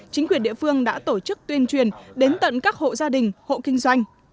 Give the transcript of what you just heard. chính quyền địa phương đã tổ chức tuyên truyền đến tận các hộ gia đình hộ kinh doanh